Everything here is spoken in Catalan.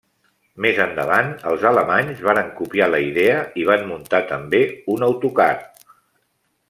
Més endavant, els alemanys varen copiar la idea i van muntar també un autocar.